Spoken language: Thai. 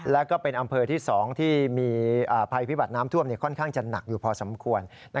แล้วก็เป็นอำเภอที่๒ที่มีภัยพิบัติน้ำท่วมค่อนข้างจะหนักอยู่พอสมควร